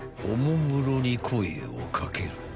［おもむろに声を掛ける］